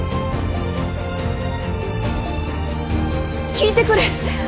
聞いてくれ。